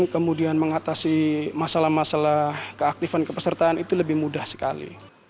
kemudian mengatasi masalah masalah keaktifan kepesertaan itu lebih mudah sekali